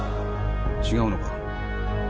違うのか？